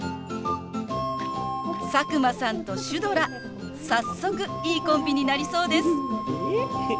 佐久間さんとシュドラ早速いいコンビになりそうです。